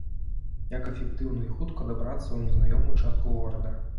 Як эфектыўна і хутка дабрацца ў незнаёмую частку горада?